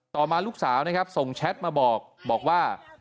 มาลูกสาวนะครับส่งแชทมาบอกบอกว่า